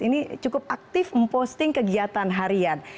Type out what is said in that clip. ini cukup aktif memposting kegiatan harian